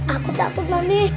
aku takut mami